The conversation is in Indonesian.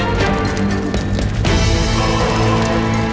dinding biar tidak terbakar